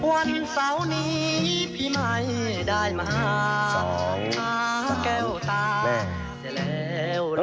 วันเสาร์นี้พี่ใหม่ได้มาขาแก้วตา